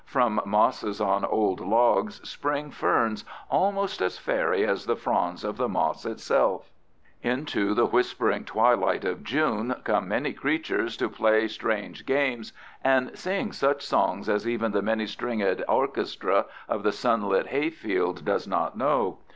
From mosses on old logs spring ferns almost as faery as the fronds of the moss itself. Into the whispering twilight of June come many creatures to play strange games and sing such songs as even the many stringed orchestra of the sunlit hayfield does not know.